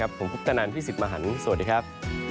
ผมพุทธนันพี่สิทธิ์มหันฯสวัสดีครับ